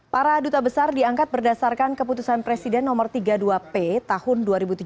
para duta besar diangkat berdasarkan keputusan presiden nomor tiga puluh dua p tahun dua ribu tujuh belas